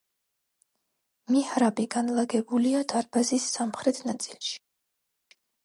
მიჰრაბი განლაგებულია დარბაზის სამხრეთ ნაწილში.